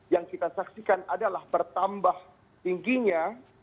yang kita saksikan adalah bertambah tingginya